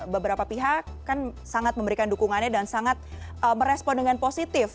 beberapa pihak kan sangat memberikan dukungannya dan sangat merespon dengan positif